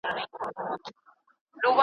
له دانا مي زړګی شین دی په نادان اعتبار نسته `